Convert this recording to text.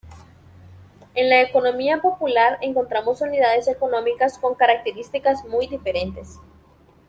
En la economía popular encontramos unidades económicas con características muy diferentes.